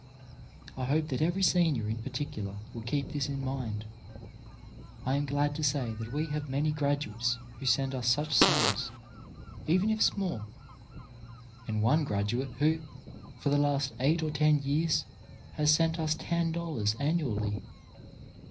I hope that every senior, in particular, will keep this in mind. I am glad to say that we have many graduates who send us such sums, even if small, and one graduate who for the last eight or ten years has sent us ten ^dollars annually.